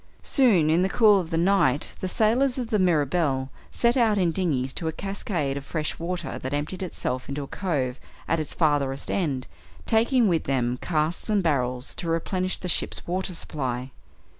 Soon, in the cool of the night, the sailors of the Mirabelle set out in dinghies to a cascade of fresh water that emptied itself into the cove at its farther end, taking with them casks and barrels to replenish the ship's water supply.